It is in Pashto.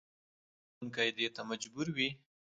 چې لوستونکى دې ته مجبور وي